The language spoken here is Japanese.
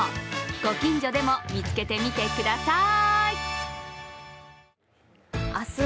ご近所でも見つけてみてください。